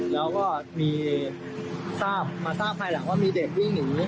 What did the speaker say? แล้วก็มีทราบมาทราบภายหลังว่ามีเด็กวิ่งหนี